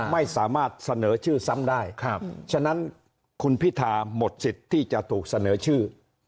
ไม่สามารถเสนอชื่อซ้ำได้ฉะนั้นคุณพิธาหมดสิทธิ์ที่จะถูกเสนอชื่อ